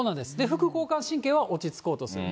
副交感神経は落ち着こうとする。